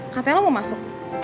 katanya lo mau masuk